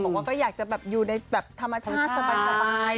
บอกว่าก็อยากจะอยู่ในแบบธรรมชาติสบาย